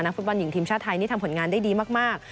ฟุตบอลหญิงทีมชาติไทยนี่ทำผลงานได้ดีมาก